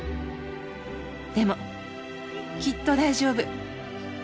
でもきっと大丈夫。